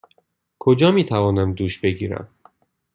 کجا می توانم دوش بگیرم؟